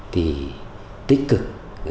thì tích cực